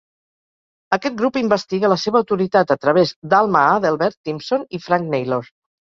Aquest grup investiga la seva autoritat a través d'Alma Adelbert Timpson i Frank Naylor.